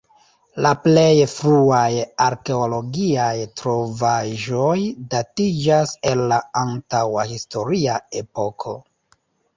La plej fruaj arkeologiaj trovaĵoj datiĝas el la antaŭ-historia epoko.